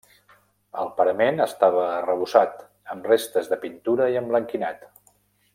El parament estava arrebossat amb restes de pintura i emblanquinat.